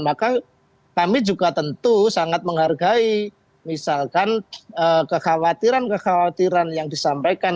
maka kami juga tentu sangat menghargai misalkan kekhawatiran kekhawatiran yang disampaikan